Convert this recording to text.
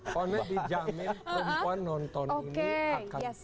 komen dijamin perempuan nonton ini akan puas